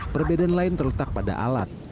perbedaan lain terletak pada alat